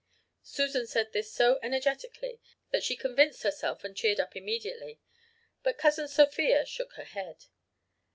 "Susan said this so energetically that she convinced herself and cheered up immediately. But Cousin Sophia shook her head.